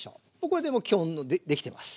これでもうできてます。